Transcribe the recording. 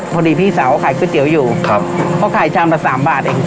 พี่สาวขายก๋วยเตี๋ยวอยู่ครับเขาขายชามละสามบาทเอง